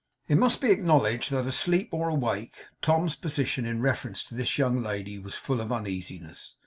It must be acknowledged that, asleep or awake, Tom's position in reference to this young lady was full of uneasiness.